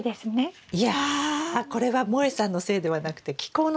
いやこれはもえさんのせいではなくて気候のせいですね